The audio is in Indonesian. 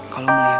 kalau melihat sini